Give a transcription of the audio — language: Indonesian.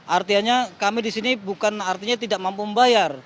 artinya kami disini bukan artinya tidak mampu membayar